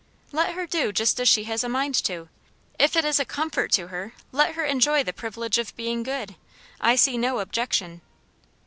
"Let her do just as she has a mind to. If it is a comfort to her, let her enjoy the privilege of being good. I see no objection."